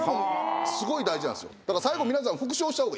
すごい大事なんですよ。